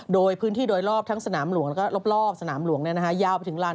โดยพื้นที่โดยรอบทั้งสนามหลวงแล้วก็รอบสนามหลวงยาวไปถึงลาน